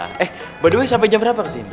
eh by the way sampai jam berapa mas iin